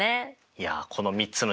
いやこの３つの条件